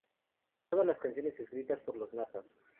Todas las canciones escritas por Los Natas